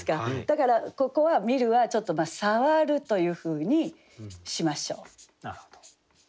だからここは「見る」はちょっと「触る」というふうにしましょう。